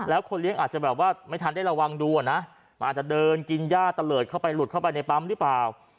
แล้วคนเลี้ยงอาจจะไม่ทันได้ระวังดูมันอาจจะเดินกินหญ้าตะเลิดหลุดเข้าไปในปั๊มหรือเปล่า